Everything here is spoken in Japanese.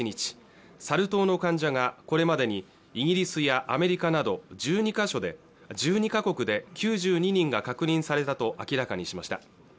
サル痘の患者がこれまでにイギリスやアメリカなど１２か国で９２人が確認されたと明らかにしました